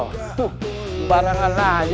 tuh kubalas aja